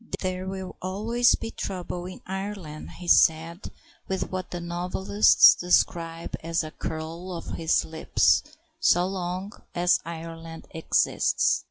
"There will always be trouble in Ireland," he said, with what the novelists describe as a curl of his lip, "so long as Ireland exists."